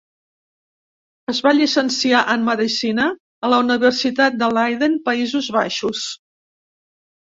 Es va llicenciar en Medicina a la Universitat de Leiden (Països Baixos).